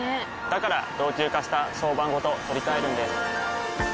から老朽化した床版ごと取り替えるんです。